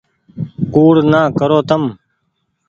ڪوڙ نآ ڪرو تم ۔